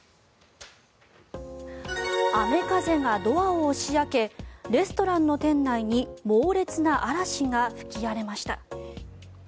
雨風がドアを押し開けレストランの店内に猛烈な嵐が吹き荒れました。